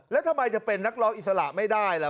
แล้วทำไมจะเป็นนักร้องอิสระไม่ได้ล่ะ